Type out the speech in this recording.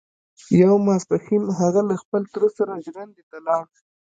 يو ماسپښين هغه له خپل تره سره ژرندې ته لاړ.